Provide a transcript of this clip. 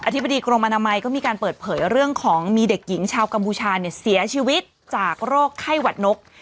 ธิบดีกรมอนามัยก็มีการเปิดเผยเรื่องของมีเด็กหญิงชาวกัมพูชาเนี่ยเสียชีวิตจากโรคไข้หวัดนก